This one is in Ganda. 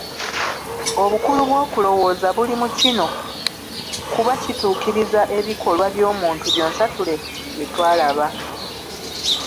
Obukulu bw'okulowooza buli mu kino, kuba kituukiriza ebikolwa by'omuntu byonsatule bye twalaba.